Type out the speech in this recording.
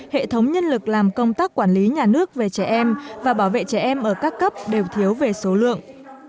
hệ thống nhân lực làm công tác quản lý nhà nước về trẻ em và bảo vệ trẻ em ở các cấp đều thiếu về số lượng